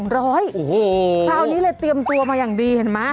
คราวนี้เลยเตรียมตัวมาอย่างดีเห็นไหม